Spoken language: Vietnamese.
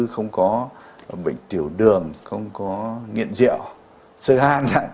không có bệnh tiểu đường không có nghiện rượu sơ han